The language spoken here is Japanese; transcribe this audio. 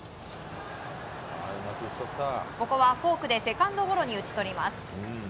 ここはフォークでセカンドゴロに打ち取ります。